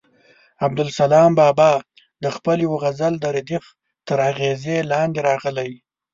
عبدالسلام بابا د خپل یوه غزل د ردیف تر اغېز لاندې راغلی.